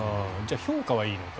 評価はいいのか。